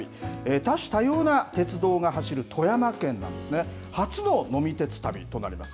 多種多様な鉄道が走る富山県なんですね、初の呑み鉄旅となります。